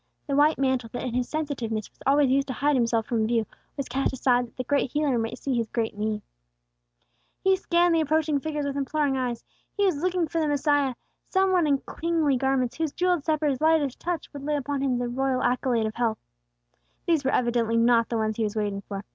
The white mantle, that in his sensitiveness was always used to hide himself from view, was cast aside, that the Great Healer might see his great need. He scanned the approaching figures with imploring eyes. He was looking for the Messiah, some one in kingly garments, whose jewelled sceptre's lightest touch would lay upon him the royal accolade of health. These were evidently not the ones he was waiting for.